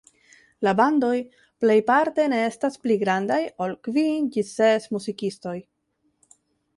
La bandoj plejparte ne estas pli grandaj ol kvin ĝis ses muzikistoj.